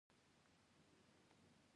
• د سفر مخکې لږ کښېنه.